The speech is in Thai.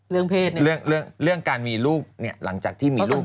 เรื่องเพศเนี่ยเรื่องการมีลูกเนี่ยหลังจากที่มีลูกแบบ